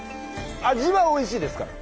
味はおいしいですから。